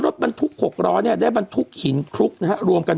รถบรรทุก๖ล้อเนี่ยได้บรรทุกหินคลุกนะฮะรวมกัน